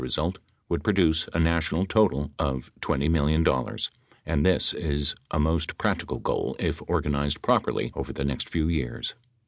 545 result would produce a national total of $20 million and this is a most practical goal if organized properly over the next few years.